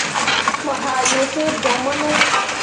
Mo haa yee fĩĩ joŋ mo ne ?